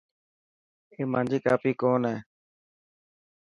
اي مانجي ڪاپي ڪون هي.